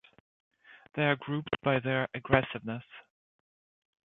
They are grouped by their aggressiveness.